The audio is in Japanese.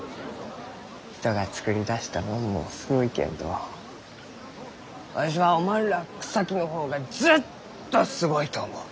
人がつくり出したもんもすごいけんどわしはおまんらあ草木の方がずっとすごいと思う！